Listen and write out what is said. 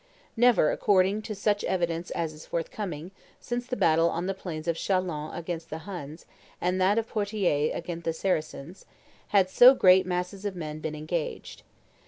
Never, according to such evidence as is forthcoming, since the battle on the plains of Chalons against the Huns, and that of Poitiers against the Saracens, had so great masses of men been engaged.